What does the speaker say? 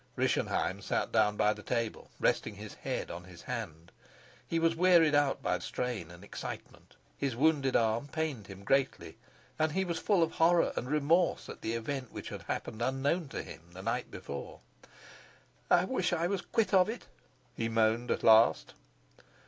Rischenheim sat down by the table, resting his head on his hand. He was wearied out by strain and excitement, his wounded arm pained him greatly, and he was full of horror and remorse at the event which happened unknown to him the night before. "I wish I was quit of it," he moaned at last.